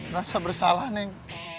ngerasa bersalah neng